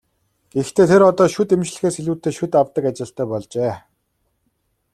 Гэхдээ тэр одоо шүд эмчлэхээс илүүтэй шүд авдаг ажилтай болжээ.